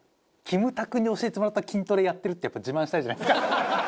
キムタクに教えてもらった筋トレやってるってやっぱ自慢したいじゃないですか。